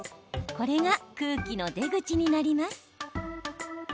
これが空気の出口になります。